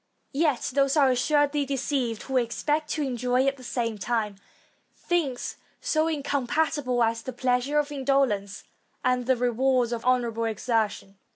Yet those are assuredly deceived, who expect to enjoy at the same time things so incompatible as the pleasures of indolence and the rewards of honorable exertion.